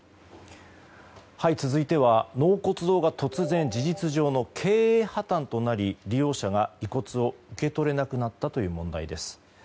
続いては納骨堂が突然、事実上の経営破綻となり利用者が遺骨を受け取れなくなったという問題です。